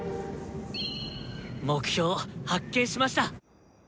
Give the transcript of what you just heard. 「目標発見しました！」。